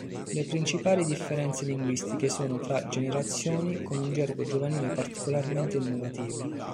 Le principali differenze linguistiche sono tra generazioni, con un gergo giovanile particolarmente innovativo.